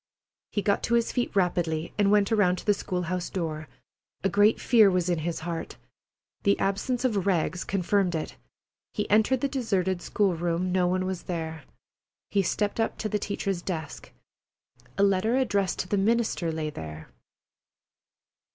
He got to his feet rapidly and went around to the school house door. A great fear was in his heart. The absence of Rags confirmed it. He entered the deserted school room. No one was there. He stepped up to the teacher's desk. A letter addressed to the minister lay there.